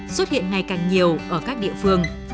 xuất hiện ngày càng nhiều ở các địa phương